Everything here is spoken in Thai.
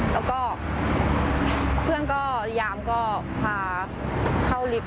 แล้วก็เพื่อนยามก็พาเข้าลิฟต์